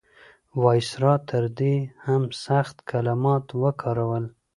وایسرا تر دې هم سخت کلمات وکارول.